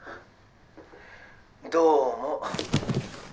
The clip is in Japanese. どうも。